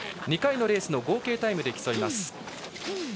２回のレースの合計タイムで競います。